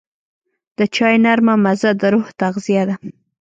د چای نرمه مزه د روح تغذیه ده.